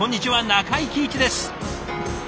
中井貴一です。